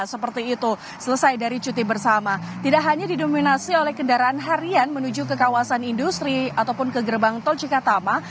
seperti itu selesai dari cuti bersama tidak hanya didominasi oleh kendaraan harian menuju ke kawasan industri ataupun ke gerbang tol cikatama